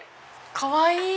かわいい！